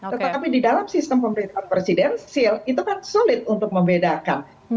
tetapi di dalam sistem pemerintahan presidensil itu kan sulit untuk membedakan